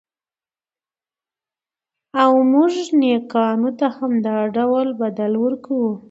او موږ نېکانو ته همدا ډول بدل ورکوو.